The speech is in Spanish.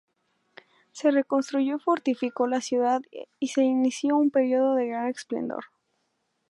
Se reconstruyó y fortificó la ciudad y se inició un periodo de gran esplendor.